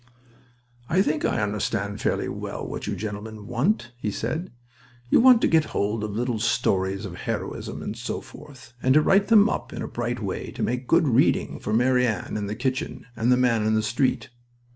"I think I understand fairly well what you gentlemen want," he said. "You want to get hold of little stories of heroism, and so forth, and to write them up in a bright way to make good reading for Mary Ann in the kitchen, and the Man in the Street."